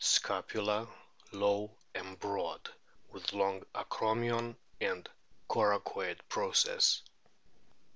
Scapula low and broad, with long acromion and coracoid process.